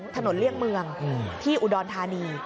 เลี่ยงเมืองที่อุดรธานี